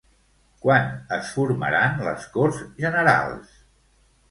Quan es formaran les Corts Generals?